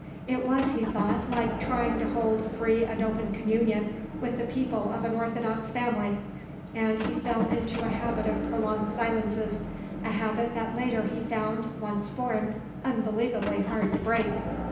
It was, he thought, like trying to hold free and open communion with the people of an orthodox family, and he fell into a habit of prolonged silences, a habit that later, he found, once formed, unbelievably hard to break.